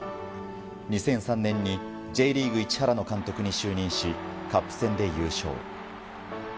２００３年にＪリーグ市原の監督に就任しカップ戦で優勝。